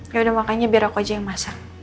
yaudah makanya biar aku aja yang masak